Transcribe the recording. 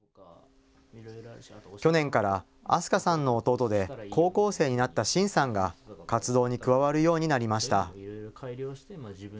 去年から、明日香さんの弟で高校生になった真さんが活動に加わるようになりました。